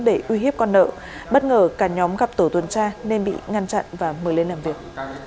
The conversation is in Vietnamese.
để uy hiếp con nợ bất ngờ cả nhóm gặp tổ tuần tra nên bị ngăn chặn và mời lên làm việc